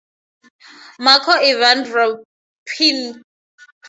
Marko Ivan Rupnik.